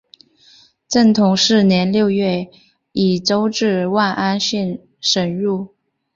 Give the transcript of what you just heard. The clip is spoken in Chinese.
正统四年六月以州治万安县省入。